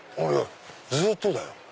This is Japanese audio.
ずっとだよ。